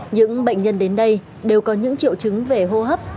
những bệnh nhân đến đây đều có những triệu chứng về hô hấp